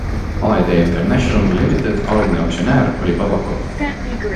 AED International Ltd algne aktsionär oli Babakov.